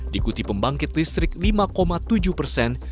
diikuti pembangkit listrik lima tujuh persen